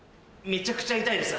めちゃくちゃ痛いです。